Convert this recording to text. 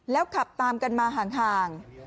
แล้วขับตามกันมาห่าง